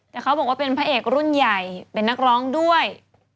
แต่เขาบอกว่าเป็นพระเอกรุ่นใหญ่เป็นนักร้องด้วย